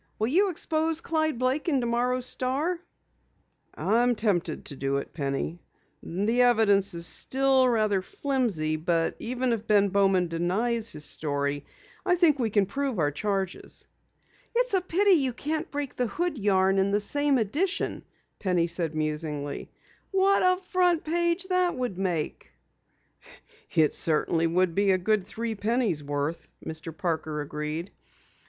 Will you expose Clyde Blake in tomorrow's Star?" "I'm tempted to do it, Penny. The evidence still is rather flimsy, but even if Ben Bowman denies his story, I think we can prove our charges." "It's a pity you can't break the Hood yarn in the same edition," Penny said musingly. "What a front page that would make!" "It certainly would be a good three pennies worth," Mr. Parker agreed.